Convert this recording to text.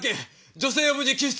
女性を無事救出！